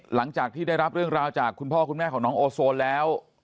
หลังจากที่ได้รับเรื่องราวจากคุณพ่อคุณแม่ของน้องโอโซนแล้ว